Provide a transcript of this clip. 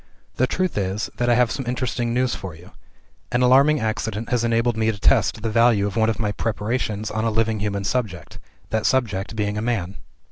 The truth is, that I have some interesting news for you. An alarming accident has enabled me to test the value of one of my preparations on a living human subject that subject being a man.